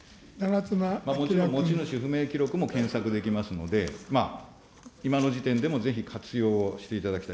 もちろん、持ち主不明記録も検索できますので、今の時点でもぜひ活用していただきたい。